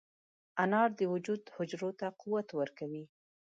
انار د وجود حجرو ته قوت ورکوي.